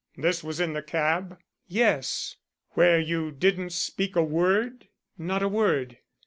"This was in the cab?" "Yes." "Where you didn't speak a word?" "Not a word."